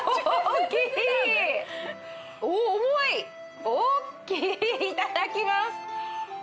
大っきいいただきます。